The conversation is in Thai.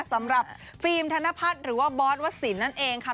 สำหรับฟิล์มธนพัฒน์หรือว่าบอสวสินนั่นเองค่ะ